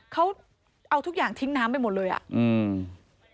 เขาเอาทุกอย่างทิ้งน้ำไปหมดเลยอ่ะอืม